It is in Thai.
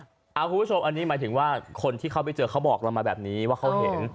คุณผู้ชมอันนี้หมายถึงว่าคนที่เขาไปเจอเขาบอกเรามาแบบนี้ว่าเขาเห็น